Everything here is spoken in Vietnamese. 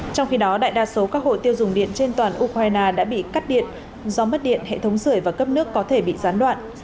trong khi đó đại đa số các hộ tiêu dùng điện trên toàn ukraine đã bị cắt điện do mất điện hệ thống sửa và cấp nước có thể bị gián đoạn